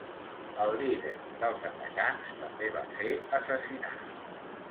El líder dels atacants també va ser assassinat.